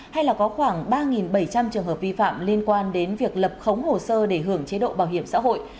hay là có khoảng ba bảy trăm linh trường hợp vi phạm liên quan đến việc lập khống hồ sơ để hưởng chế độ bảo hiểm xã hội